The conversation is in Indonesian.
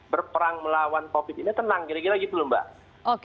berperang melawan covid ini tenang kira kira gitu loh mbak